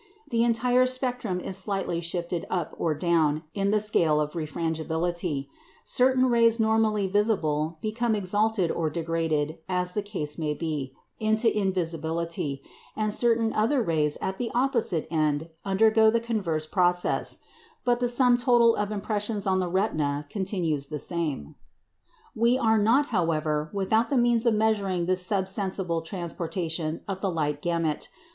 The entire spectrum is slightly shifted up or down in the scale of refrangibility; certain rays normally visible become exalted or degraded (as the case may be) into invisibility, and certain other rays at the opposite end undergo the converse process; but the sum total of impressions on the retina continues the same. We are not, however, without the means of measuring this sub sensible transportation of the light gamut.